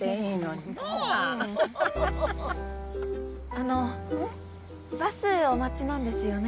あのバスお待ちなんですよね？